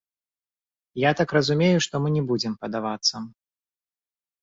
Я так разумею, што мы не будзем падавацца.